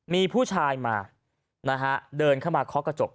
มีผู้ชายมาเดินเข้ามาค็อกกระจก